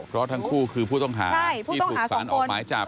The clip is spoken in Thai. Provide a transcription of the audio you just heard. เพราะทั้งคู่คือผู้ต้องหาที่ถูกสารออกหมายจับ